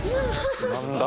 何だ？